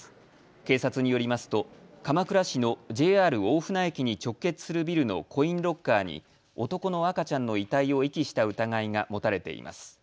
警察によりますと鎌倉市のＪＲ大船駅に直結するビルのコインロッカーに男の赤ちゃんの遺体を遺棄した疑いが持たれています。